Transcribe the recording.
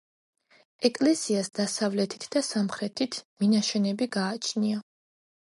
ეკლესიას დასავლეთით და სამხრეთით მინაშენები გააჩნია.